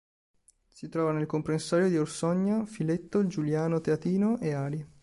Si trova nel comprensorio di Orsogna, Filetto, Giuliano Teatino e Ari.